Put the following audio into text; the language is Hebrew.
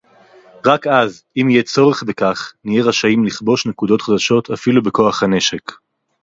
רק אז, אם יהיה צורך בכך, נהיה רשאים לכבוש נקודות חדשות אפילו בכוח הנשק.